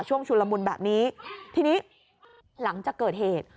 ชุลมุนแบบนี้ทีนี้หลังจากเกิดเหตุ